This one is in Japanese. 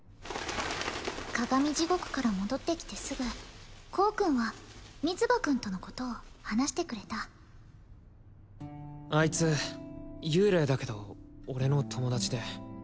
カガミジゴクから戻ってきてすぐ光くんはミツバくんとのことを話してくれたあいつ幽霊だけど俺の友達で